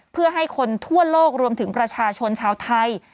เพื่อให้คนทั่วโลกรวมถึงประชาชนชาวไทย